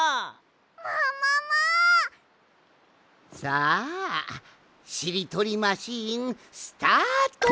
さあしりとりマシーンスタート！